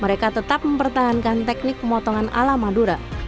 mereka tetap mempertahankan teknik pemotongan ala madura